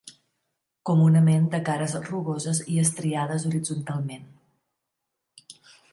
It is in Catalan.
Comunament de cares rugoses i estriades horitzontalment.